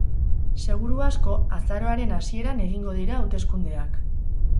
Seguru asko, azaroaren hasieran egingo dira hauteskundeak.